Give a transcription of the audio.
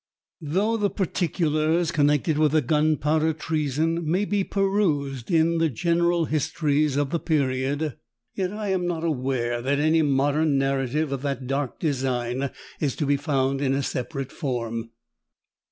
Though the particulars connected with the Gunpowder Treason may be perused in the general histories of the period, yet I am not aware, that any modern narrative of that dark design is to be found in a separate form.